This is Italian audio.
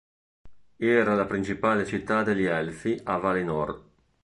Era la principale città degli Elfi a Valinor.